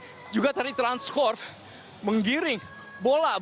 dan juga dari transkorps menggiring bola